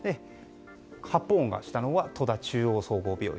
発砲音がしたのは戸田中央総合病院。